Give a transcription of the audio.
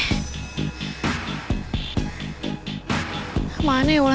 kemana ya wulan